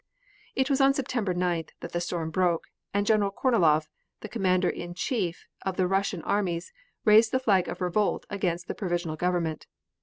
It was on September 9th, that the storm broke, and General Kornilov, the Commander in Chief of the Russian armies, raised the flag of revolt against the Provisional Government.